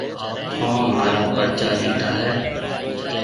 ٿون مھارا پرچا ڏيٺا ھيََََ۔